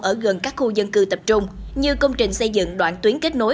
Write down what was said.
ở gần các khu dân cư tập trung như công trình xây dựng đoạn tuyến kết nối